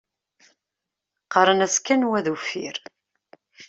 Qqaṛen-as kan wa d uffir.